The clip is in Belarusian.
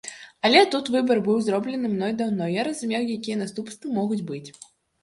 Але тут выбар быў зроблены мной даўно, я разумеў, якія наступствы могуць быць.